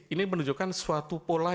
ini menunjukkan suatu pola